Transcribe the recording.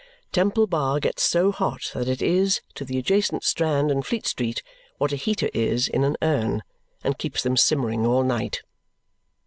Temple Bar gets so hot that it is, to the adjacent Strand and Fleet Street, what a heater is in an urn, and keeps them simmering all night.